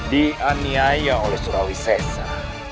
dianiaya oleh surawi sesa